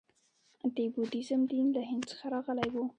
د بودیزم دین له هند څخه راغلی و